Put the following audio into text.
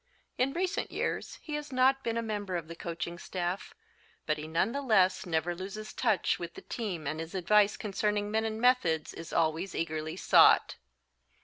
In recent years he has not been a member of the coaching staff, but he none the less never loses touch with the team and his advice concerning men and methods is always eagerly sought.